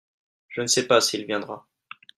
Je ne sais pas s'il viendra.